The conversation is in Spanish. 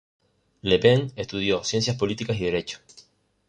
Le Pen estudió Ciencias políticas y Derecho.